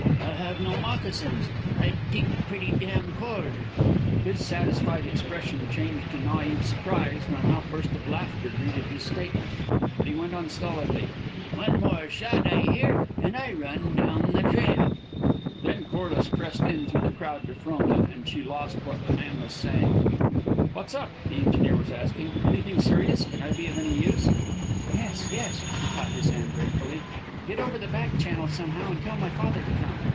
"I have no moccasins. I t'ink pretty damn cold." His satisfied expression changed to naive surprise when an outburst of laughter greeted his statement, but he went on stolidly. "One more shot I hear, and I run down the trail." Then Corliss pressed in through the crowd to Frona, and she lost what the man was saying. "What's up?" the engineer was asking. "Anything serious? Can I be of any use?" "Yes, yes." She caught his hand gratefully. "Get over the back channel somehow and tell my father to come.